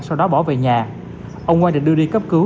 sau đó bỏ về nhà ông quang đã đưa đi cấp cứu